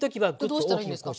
これどうしたらいいんですか？